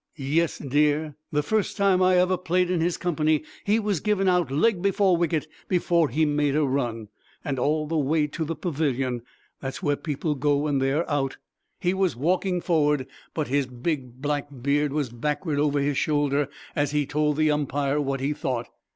"Yes, dear; the first time I ever played in his company he was given out leg before wicket before he made a run. And all the way to the pavilion that's where people go when they are out he was walking forward, but his big black beard was backward over his shoulder as he told the umpire what he thought."